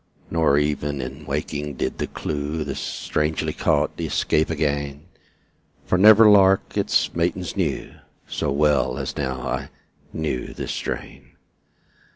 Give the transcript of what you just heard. Nor even in waking did the clew, Thus strangely caught, escape again; For never lark its matins knew So well as now I knew this strain.